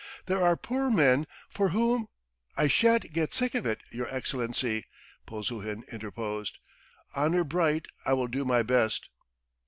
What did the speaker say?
There are poor men for whom ..." "I shan't get sick of it, your Excellency," Polzuhin interposed. "Honour bright, I will do my best!"